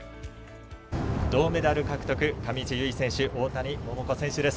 銅メダル獲得上地結衣選手、大谷桃子選手です。